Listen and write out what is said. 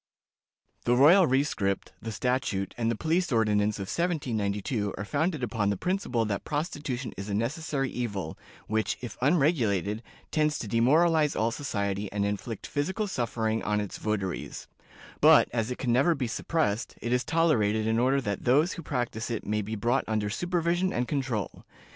The royal rescript, the statute, and the police ordinance of 1792 are founded upon the principle that prostitution is a necessary evil, which, if unregulated, tends to demoralize all society, and inflict physical suffering on its votaries; but, as it can never be suppressed, it is tolerated in order that those who practice it may be brought under supervision and control.